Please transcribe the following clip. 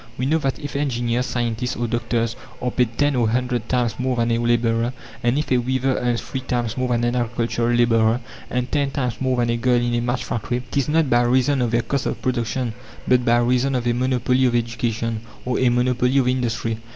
We know that if engineers, scientists, or doctors are paid ten or a hundred times more than a labourer, and if a weaver earns three times more than an agricultural labourer, and ten times more than a girl in a match factory, it is not by reason of their "cost of production," but by reason of a monopoly of education, or a monopoly of industry.